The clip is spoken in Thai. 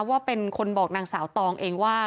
ว่าเป็นคนบอกนางสาวตองเองว่า